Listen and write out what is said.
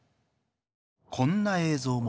こんな映像も。